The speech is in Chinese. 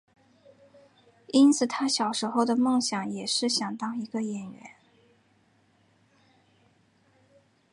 因此他小时候的梦想也是想当一个演员。